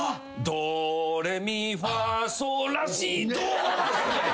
「ドレミファソラシド」です。